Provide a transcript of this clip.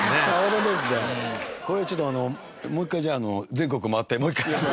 これはちょっともう一回じゃああの全国回ってもう一回。